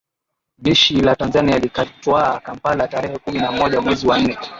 jeshi la Tanzania likatwaa Kampala tarehe kumi na moja mwezi wa nne